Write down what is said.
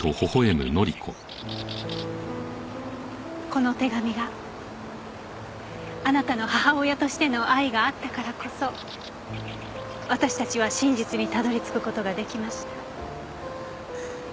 この手紙があなたの母親としての愛があったからこそ私たちは真実にたどり着く事が出来ました。